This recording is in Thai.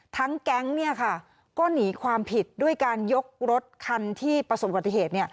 แก๊งก็หนีความผิดด้วยการยกรถคันที่ประสบปฏิเหตุ